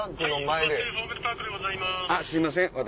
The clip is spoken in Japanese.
すいません